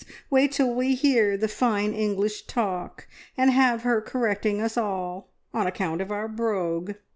Wait till we hear the fine English talk, and have her correcting us all, on account of our brogue!'